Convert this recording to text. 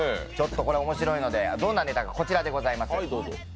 これは面白いのでどんなネタか、こちらです。